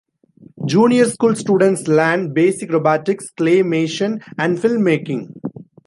Junior school students learn basic robotics, clay-mation and film making.